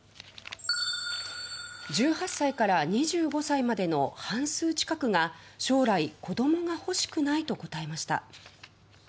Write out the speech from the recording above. １８歳から２５歳までの半数近くが将来、子供が欲しくないと答えました。